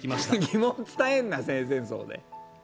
疑問伝えるな、生前葬で。